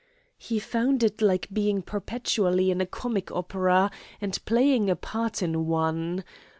He found it like being perpetually in a comic opera and playing a part in one.